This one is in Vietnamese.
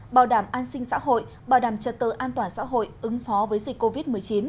bảo đảm an sinh xã hội bảo đảm trật tự an toàn xã hội ứng phó với dịch covid một mươi chín